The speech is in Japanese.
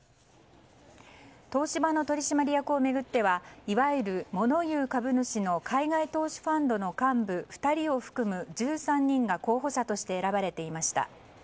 東芝の取締役を巡ってはいわゆるモノ言う株主の海外投資ファンドの幹部２人を含む１３人が候補者として選ばれていました。